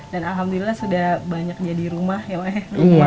dan alhamdulillah sudah banyak jadi rumah ya mak ya